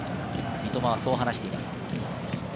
三笘はそう話しています。